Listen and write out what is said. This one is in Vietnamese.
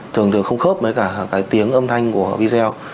thường thường không khớp với cả cái tiếng âm thanh của video